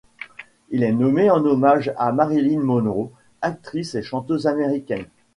Il est nommé en hommage à Marilyn Monroe, actrice et chanteuse américaine.